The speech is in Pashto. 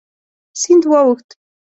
سیند واوښت.